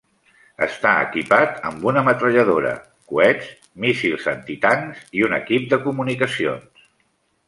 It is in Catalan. Està equipat amb una metralladora, coets, míssils antitancs, i un equip de comunicacions.